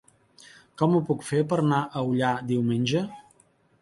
Com ho puc fer per anar a Ullà diumenge?